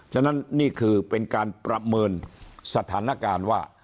ฉะนั้นนี่คือเป็นการประเมินสถานการณ์ว่า